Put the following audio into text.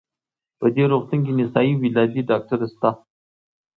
په دې روغتون کې نسایي ولادي ډاکټره شته؟